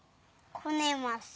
こねます。